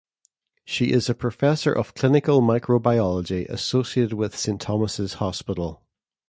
She is a professor of clinical microbiology associated with Saint Thomas' Hospital.